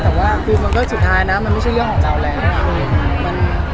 แต่ว่าคือมันก็สุดท้ายนะมันไม่ใช่เรื่องของเราแล้ว